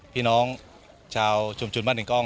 พี่น้องชาวชุมชนบ้านหนึ่งกล้อง